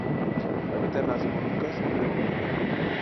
Habita en las Molucas y Nueva Guinea.